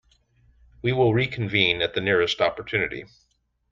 We will reconvene at the nearest opportunity.